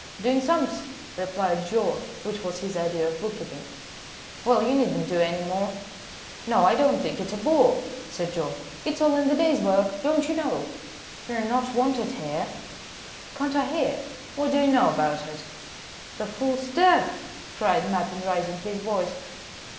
"Doing sums," replied Joe, which was his idea of book keeping. "Well, you need not do any more." "No, I don't think it a bore," said Joe. "It's all in the day's work, don't you know?" "You're not wanted here." "Can't I hear? what do you know about it?" "The fool's deaf," cried Mappin, raising his voice.